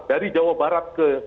dari jawa barat ke